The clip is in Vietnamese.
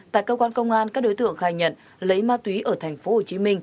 tại cơ quan công an các đối tượng khai nhận lấy ma túy ở tp hcm